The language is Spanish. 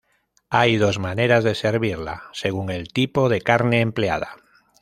Hay dos maneras de servirla, según el tipo de carne empleada.